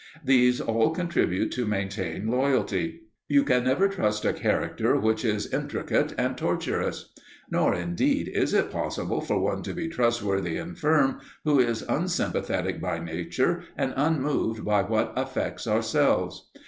These all contribute to maintain loyalty. You can never trust a character which is intricate and tortuous. Nor, indeed, is it possible for one to be trustworthy and firm who is unsympathetic by nature and unmoved by what affects ourselves.